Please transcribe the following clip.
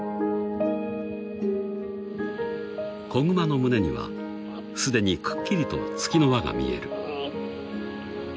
［子熊の胸にはすでにくっきりと月の輪が見える］